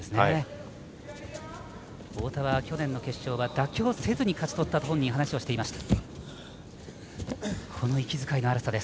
太田は去年の決勝は妥協せずに勝ち取ったと話をしていました。